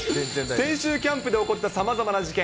先週、キャンプで起こったさまざまな事件。